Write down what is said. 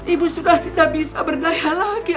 ibu sudah tidak bisa berdaya lagi